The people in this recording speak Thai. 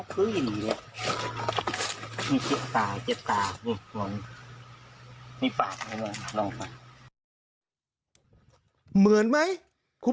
ปาก